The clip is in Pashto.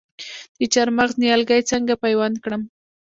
د چهارمغز نیالګي څنګه پیوند کړم؟